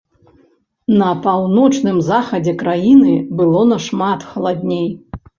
На паўночным захадзе краіны было нашмат халадней.